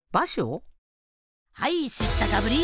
はい知ったかぶり。